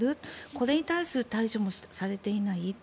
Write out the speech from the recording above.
これに対する対処もされていない。